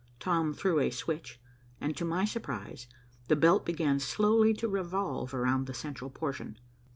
Tom threw a switch and, to my surprise, the belt began slowly to revolve about the central portion.